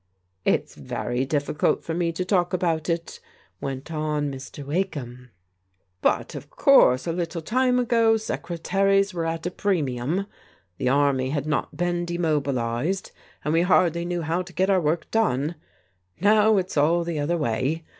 " It's very difficult for me to talk about it,'* went on Mr. Wakeham. " But, of course, a little time ago secre taries were at a premium. The army had not been de mobilized, and we hardly knew how to get our work done : now it's all the other way.